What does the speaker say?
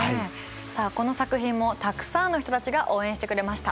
さあこの作品もたくさんの人たちが応援してくれました。